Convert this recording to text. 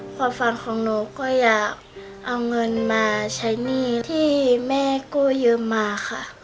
ความฝันของหนูก็อยากเอาเงินมาใช้หนี้ที่แม่กู้ยืมมาค่ะ